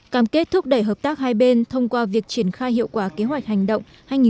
cảm kết thúc đẩy hợp tác hai bên thông qua việc triển khai hiệu quả kế hoạch hành động hai nghìn một mươi sáu hai nghìn hai mươi